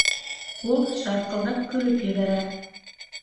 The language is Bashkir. Ул шарҡылдап көлөп ебәрә.